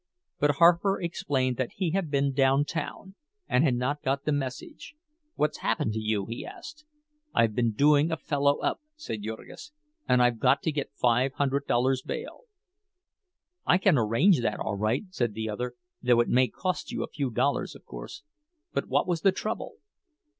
But Harper explained that he had been downtown, and had not got the message. "What's happened to you?" he asked. "I've been doing a fellow up," said Jurgis, "and I've got to get five hundred dollars' bail." "I can arrange that all right," said the other—"though it may cost you a few dollars, of course. But what was the trouble?"